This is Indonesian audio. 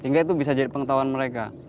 sehingga itu bisa jadi pengetahuan mereka